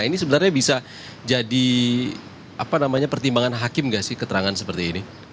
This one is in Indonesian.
ini sebenarnya bisa jadi pertimbangan hakim nggak sih keterangan seperti ini